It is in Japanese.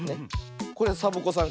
これサボ子さん